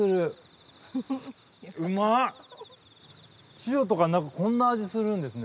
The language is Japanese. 塩とかなくこんな味するんですね。